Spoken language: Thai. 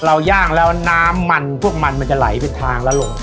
ย่างแล้วน้ำมันพวกมันมันจะไหลไปทางแล้วลง